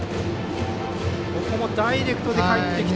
ここもダイレクトでかえってきて。